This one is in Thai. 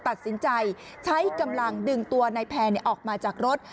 ตัดสินใจใช้กำลังดึงตัวนายแพนออกมาจากรถ